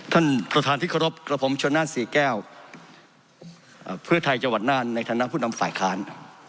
ท่านประธานที่เคารพกับผมชนะสี่แก้วเพื่อไทยจังหวัดน่านในฐานะผู้นำฝ่ายค้าน